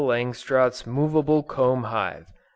LANGSTROTH'S MOVABLE COMB HIVE.